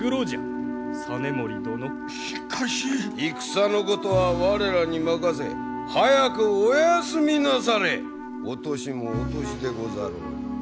戦のことは我らに任せ早くお休みなされお年もお年でござろうに。